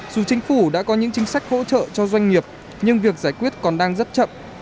dù chính phủ đã có những chính sách hỗ trợ cho doanh nghiệp nhưng việc giải quyết còn đang rất chậm